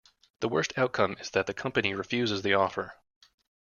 The worst outcome is that the company refuses the offer.